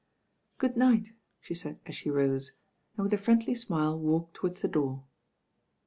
"Good night," she said as she rose, and with a friendly smile walked towards the door.